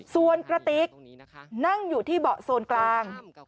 ส่วนกระติกนั่งอยู่ที่เบาะโซนกลาง